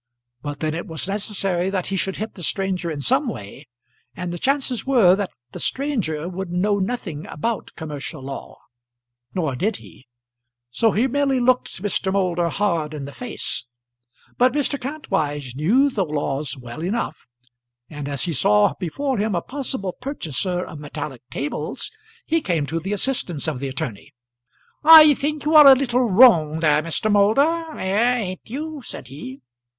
But then it was necessary that he should hit the stranger in some way, and the chances were that the stranger would know nothing about commercial law. Nor did he; so he merely looked Mr. Moulder hard in the face. But Mr. Kantwise knew the laws well enough, and as he saw before him a possible purchaser of metallic tables, he came to the assistance of the attorney. "I think you are a little wrong there, Mr. Moulder; eh; ain't you?" said he.